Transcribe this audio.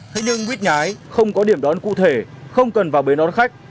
thế nhưng buýt nhái không có điểm đón cụ thể không cần vào bế đón khách